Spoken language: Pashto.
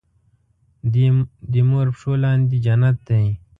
دې مور پښو لاندې جنت دی